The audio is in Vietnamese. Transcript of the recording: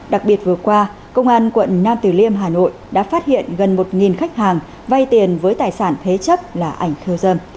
đặc biệt vừa qua công an quận nam từ liêm hà nội đã phát hiện gần một khách hàng vay tiền với tài sản thế chấp là ảnh khiêu dâm